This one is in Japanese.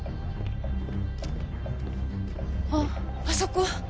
あっあそこ！